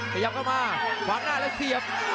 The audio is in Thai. พะยังจะเข้ามาหวังหน้าแล้วเซียบ